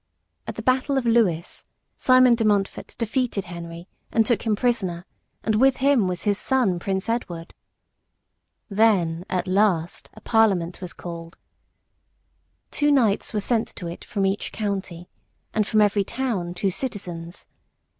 At the Battle of Lewes, Simon de Montfort defeated Henry and took him prisoner, and with him was his son, Prince Edward. Then at last a Parliament was called. Two knights were sent to it from each county, and from every town two citizens.